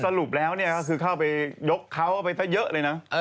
สรุปแล้วเนี่ยก็คือเข้าไปยกเขาไปซะเยอะเลยนะ